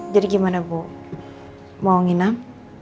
jadi gimana bu mau nginep